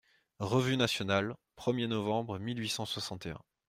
REVUE NATIONALE, premier novembre mille huit cent soixante et un.